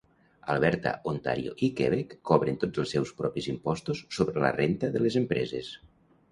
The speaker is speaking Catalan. Alberta, Ontario i Quebec cobren tots els seus propis impostos sobre la renda de les empreses.